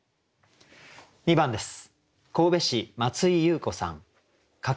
２番です。